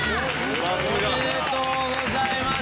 おめでとうございます！